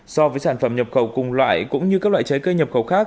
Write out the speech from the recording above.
so với sản phẩm nhập khẩu cùng loại cũng như các loại trái cây nhập khẩu khác